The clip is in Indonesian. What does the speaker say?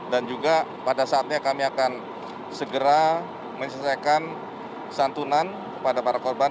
dan juga pada saatnya kami akan segera menyesuaikan santunan kepada para korban